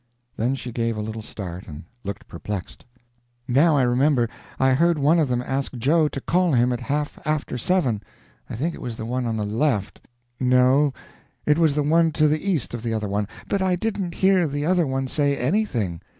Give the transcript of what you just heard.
Then she gave a little start, and looked perplexed. "Now I remember I heard one of them ask Joe to call him at half after seven I think it was the one on the left no, it was the one to the east of the other one but I didn't hear the other one say any thing.